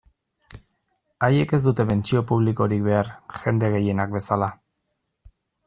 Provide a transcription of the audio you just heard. Haiek ez dute pentsio publikorik behar, jende gehienak bezala.